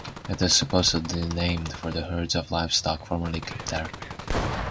It is supposedly named for the herds of livestock formerly kept there.